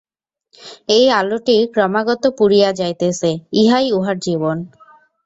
এই আলোটি ক্রমাগত পুড়িয়া যাইতেছে, ইহাই উহার জীবন।